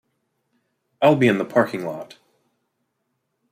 I'll be in the parking lot.